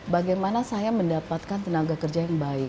bagaimana saya mendapatkan tenaga kerja yang baik